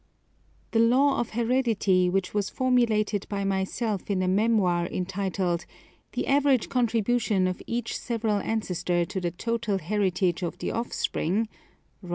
The law of heredity which was formulated by myself in a memoir entitled " The average Contribution of each several Ancestor to the total Heritage of the Offspring" [Roy.